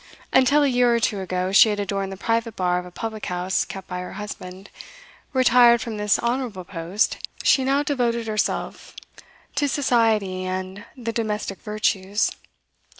Until a year or two ago she had adorned the private bar of a public house kept by her husband; retired from this honourable post, she now devoted herself to society and the domestic virtues.